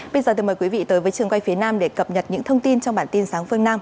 bây giờ thì mời quý vị tới với trường quay phía nam để cập nhật những thông tin trong bản tin sáng phương nam